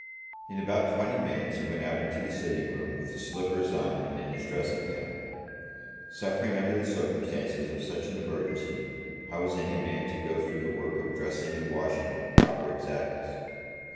In about twenty minutes he went out into the sitting room, with his slippers on and in his dressing gown. Suffering under the circumstances of such an emergency, how is any man to go through the work of dressing and washing with proper exactness?